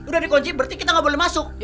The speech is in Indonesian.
udah dikonci berarti kita gak boleh masuk